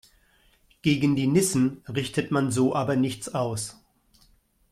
Gegen die Nissen richtet man so aber nichts aus.